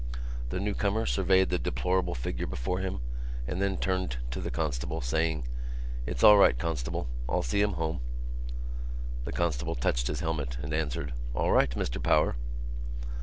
The new comer surveyed the deplorable figure before him and then turned to the constable, saying: "It's all right, constable. I'll see him home." The constable touched his helmet and answered: "All right, Mr Power!"